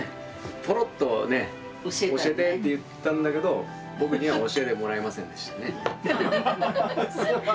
ポロッとね教えてって言ったんだけど僕には教えてもらえませんでしたね。